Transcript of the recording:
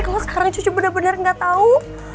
kalau sekarang cucu bener bener gak tau